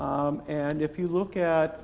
dan jika anda melihat